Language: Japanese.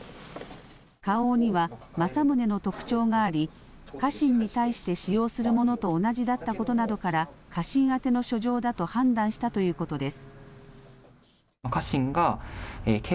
花押には、政宗の特徴があり、家臣に対して使用するものと同じだったことなどから、家臣宛ての書状だと判断したということです。